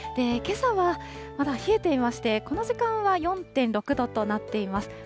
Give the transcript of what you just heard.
けさはまだ冷えていまして、この時間は４．６度となっています。